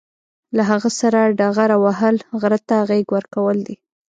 له هغه سره ډغره وهل، غره ته غېږ ورکول دي.